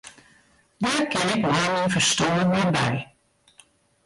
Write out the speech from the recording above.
Dêr kin ik mei myn ferstân net by.